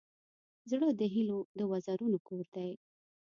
زړه د هيلو د وزرونو کور دی.